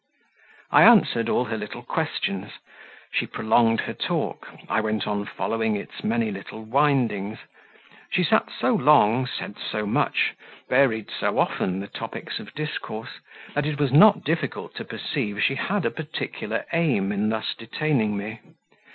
I answered all her little questions; she prolonged her talk, I went on following its many little windings; she sat so long, said so much, varied so often the topics of discourse, that it was not difficult to perceive she had a particular aim in thus detaining me.